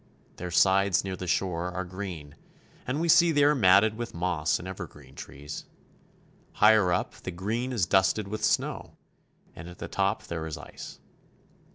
Their sides near the shore are green, and we see they are matted with moss and evergreen trees. Higher up, the green is dusted with snow, and at the top there is ice.